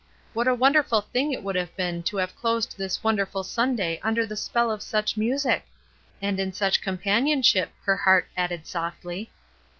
What a wonderful thing it would have been to have closed this wonderful Sun day under the spell of such music ! and in such companionship, her heart added softly.